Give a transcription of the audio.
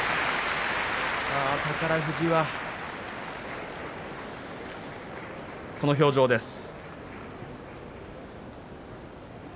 宝富士は、この表情です。